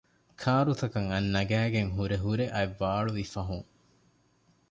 ކާރުތަކަށް އަތް ނަގައިގެން ހުރެ ހުރެ އަތް ވާޅުވި ފަހުން